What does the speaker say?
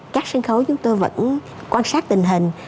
các sân khấu chúng tôi vẫn quan sát tình hình